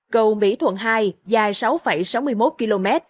cầu mỹ thuận hai dài sáu sáu mươi một km